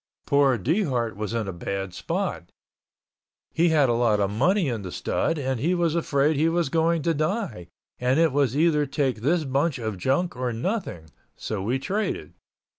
Poor Dehart was in a bad spot. He had a lot of money in the stud and he was afraid he was going to die and it was either take this bunch of junk or nothing, so we traded.